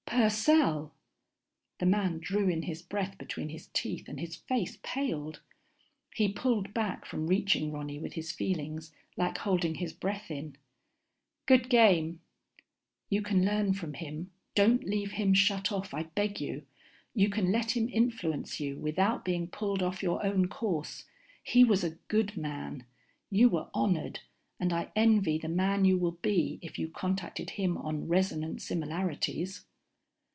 "Purcell!" The man drew in his breath between his teeth, and his face paled. He pulled back from reaching Ronny with his feelings, like holding his breath in. "Good game." _You can learn from him. Don't leave him shut off, I beg you. You can let him influence you without being pulled off your own course. He was a good man. You were honored, and I envy the man you will be if you contacted him on resonant similarities.